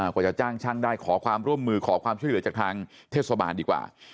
กว่าจะจ้างช่างได้ขอความร่วมมือขอความช่วยเหลือจากทางเทศบาลดีกว่า